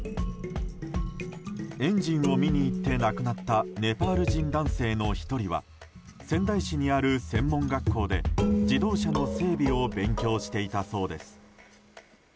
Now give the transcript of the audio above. エンジンを見に行って亡くなったネパール人男性の１人は仙台市にある専門学校で自動車の整備を勉強していたそうです。